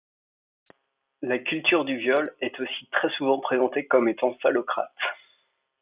La culture du viol est aussi très souvent présentée comme étant phallocrate.